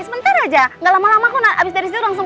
sebentar aja gak lama lama kok habis dari situ langsung